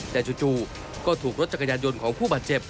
แต่จู่ก็ถูกรถจักรยานยนต์ของผู้บาดเจ็บ